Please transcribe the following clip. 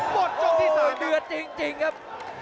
หมดโจทย์ที่๓เดือนจริงครับ